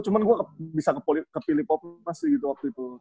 cuman gue bisa kepilih popness gitu waktu itu